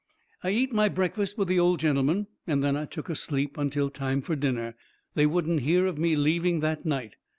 I eat my breakfast with the old gentleman, and then I took a sleep until time fur dinner. They wouldn't hear of me leaving that night.